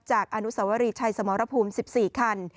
อนุสวรีชัยสมรภูมิ๑๔คัน